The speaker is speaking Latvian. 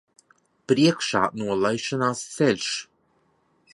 Priekšā nolaišanās ceļš.